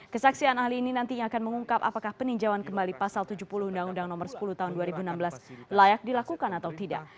kesaksian ahli ini nantinya akan mengungkap apakah peninjauan kembali pasal tujuh puluh undang undang nomor sepuluh tahun dua ribu enam belas layak dilakukan atau tidak